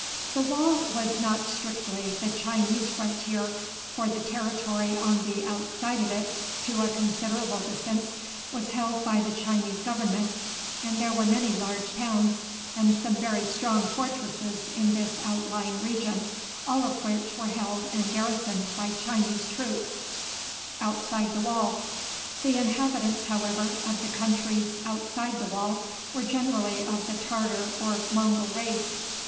The wall was not strictly the Chinese frontier, for the territory on the outside of it to a considerable distance was held by the Chinese government, and there were many large towns and some very strong fortresses in this outlying region, all of which were held and garrisoned by Chinese troops. The inhabitants, however, of the countries outside the wall were generally of the Tartar or Mongul race.